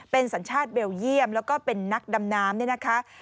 เป็นสัญชาติเบลเยี่ยมแล้วก็เป็นนักดำน้ำเนี่ยนะคะ